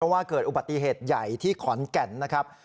ว่าเกิดอุบัติเหตุใหญ่ที่ขอนแก่นนะครับ